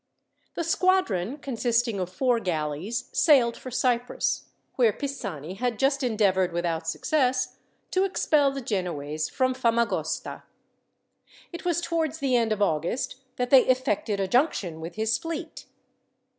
The squadron, consisting of four galleys, sailed for Cyprus; where Pisani had just endeavoured, without success, to expel the Genoese from Famagosta. It was towards the end of August that they effected a junction with his fleet.